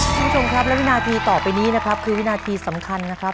คุณผู้ชมครับและวินาทีต่อไปนี้นะครับคือวินาทีสำคัญนะครับ